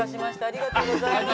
ありがとうございます。